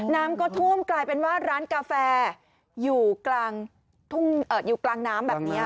น้ำก็ท่วมกลายเป็นว่าร้านกาแฟอยู่กลางน้ำแบบนี้